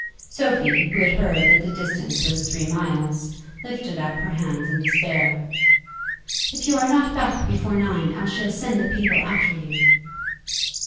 Sophie, who had heard that the distance was three miles, lifted up her hands in despair. "If you are not back before nine I shall send the people after you."